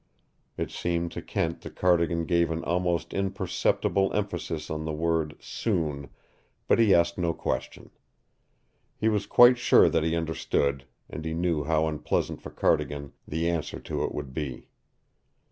It seemed to Kent that Cardigan gave an almost imperceptible emphasis to the word "soon," but he asked no question. He was quite sure that he understood, and he knew how unpleasant for Cardigan the answer to it would be.